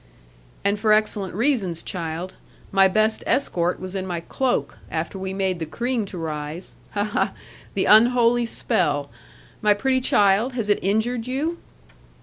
'And for excellent reasons, child. My best escort was in my cloak, after we made the cream to rise. Ha, ha! The unholy spell. My pretty child, has it injured you?'